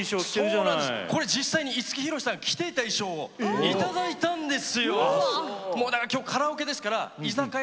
五木ひろしさんが着ていた衣装をいただいたんです。